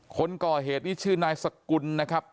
คนก่อเหตุนี้ชื่อนายสกุลนะครับ